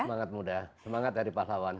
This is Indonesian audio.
semangat muda semangat dari pahlawan